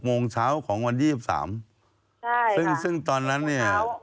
๖โมงเช้าของวันที่๒๓ค่ะใช่ค่ะซึ่งตอนนั้นเนี่ย